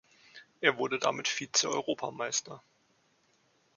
Er wurde damit Vize-Europameister.